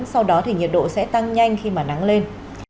sau đó thì nhiệt độ sẽ tăng nhanh khi mà nắng lên